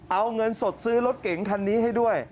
เอาเงินสดซื้อรถเก๋งคันนี้ให้ด้วย